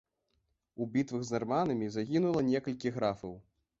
У бітвах з нарманамі загінула некалькі графаў.